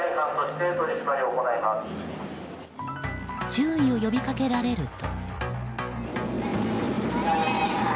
注意を呼び掛けられると。